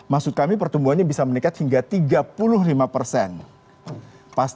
maksud kami pertumbuhannya bisa meningkat hingga tiga puluh lima persen